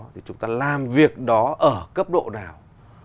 thì chúng ta làm việc đó ở cấp độ nào